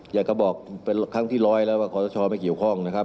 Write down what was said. อยากจะบอกเป็นครั้งที่ร้อยแล้วว่าขอสชไม่เกี่ยวข้องนะครับ